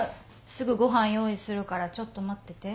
すぐご飯用意するからちょっと待ってて。